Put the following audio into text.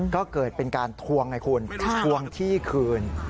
ก็เกิดเป็นการทวงไงคุณทวงที่คืน